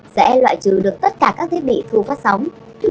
sẽ loại trừ được tất cả các thiết bị thu phát sóng